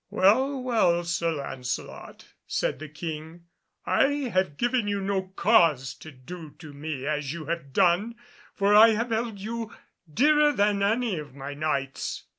"Well, well, Sir Lancelot," said the King, "I have given you no cause to do to me as you have done, for I have held you dearer than any of my Knights."